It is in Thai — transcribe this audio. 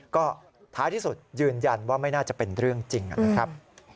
ก็ท้ายที่สุดยืนยันว่าไม่น่าจะเป็นเรื่องจริงนะครับ